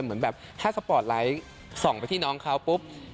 เหมือนแบบแค่สปอร์ตไลท์ส่องไปที่น้องเขาปุ๊บ